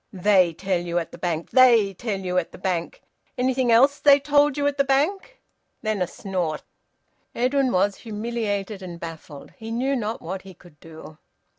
`They tell you at the Bank!' `They tell you at the Bank!' Anything else they told you at the Bank?" Then a snort. Edwin was humiliated and baffled. He knew not what he could do.